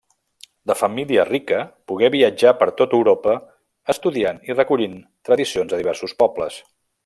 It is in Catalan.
De família rica, pogué viatjar per tota Europa estudiant i recollint tradicions de diversos pobles.